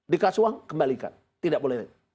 dikasih uang kembalikan tidak boleh